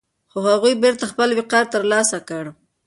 خو هغوی بېرته خپل وقار ترلاسه کړ.